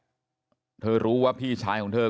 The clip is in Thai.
ไปรับศพของเนมมาตั้งบำเพ็ญกุศลที่วัดสิงคูยางอเภอโคกสำโรงนะครับ